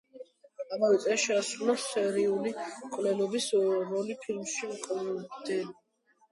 ამავე წელს შეასრულა სერიული მკვლელის როლი ფილმში „მკვლელი ჩემში“.